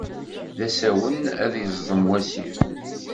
D asawen ad yeẓḍem wasif.